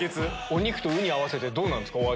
お肉とウニ合わせてどうなんですか？